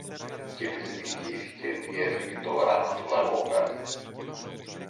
Και της διηγήθηκε τι έλεγε το γράμμα του Λαγόκαρδου